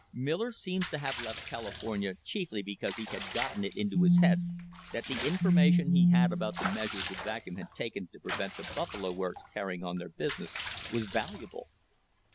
Miller seems to have left California chiefly because he had gotten it into his head that the information he had about the measures the Vacuum had taken to prevent the Buffalo Works carrying on their business was valuable.